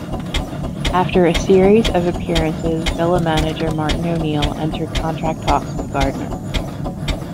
After a series of appearances Villa Manager Martin O'Neill entered contract talks with Gardner.